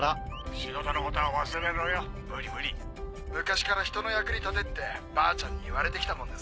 仕事のことは忘れろよ昔から「人の役に立て」ってばあちゃんに言われて来たもんで。